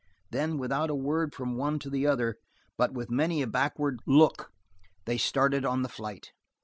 Then, without a word from one to the other, but with many a backward look, they started on the flight.